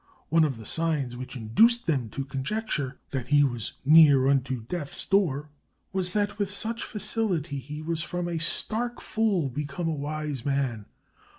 One of the signs which induced them to conjecture that he was near unto death's door was that with such facility he was from a stark fool become a wise man.